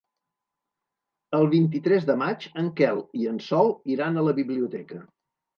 El vint-i-tres de maig en Quel i en Sol iran a la biblioteca.